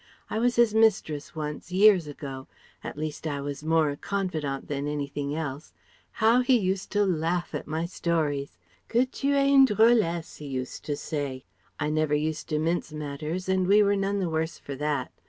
I was his mistress once, years ago at least I was more a confidante than anything else. How he used to laugh at my stories! 'Que tu es une drôlesse,' he used to say. I never used to mince matters and we were none the worse for that.